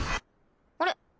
あれ？